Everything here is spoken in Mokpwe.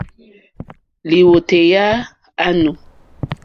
Lìwòtéyá á nù.